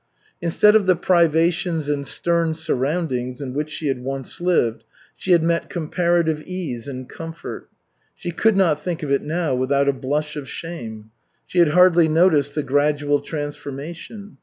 Instead of the privations and stern surroundings in which she had once lived, she had met comparative ease and comfort. She could not think of it now without a blush of shame. She had hardly noticed the gradual transformation.